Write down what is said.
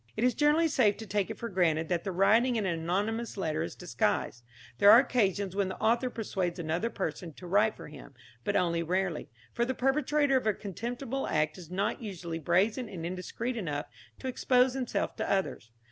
It is generally safe to take it for granted that the writing in an anonymous letter is disguised. There are occasions when the author persuades another person to write for him, but only rarely; for the perpetrator of a contemptible act is not usually brazen and indiscreet enough to expose himself to others.